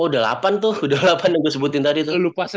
oh udah lapan tuh udah lapan yang gue sebutin tadi tuh